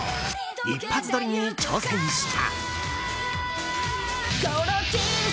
一発撮りに挑戦した。